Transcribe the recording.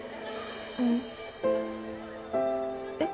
うん。えっ？